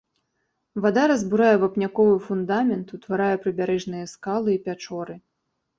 Вада разбурае вапняковы фундамент, утварае прыбярэжныя скалы і пячоры.